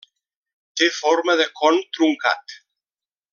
Té forma de con truncat.